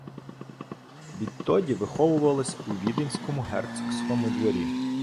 Відтоді виховувалась у віденському герцогському дворі.